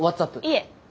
いえ。